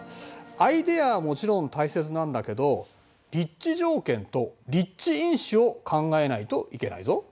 アイデアはもちろん大切なんだけど立地条件と立地因子を考えないといけないぞ。